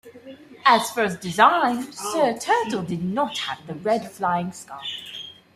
As first designed, Sir Turtle did not have the red flying scarf.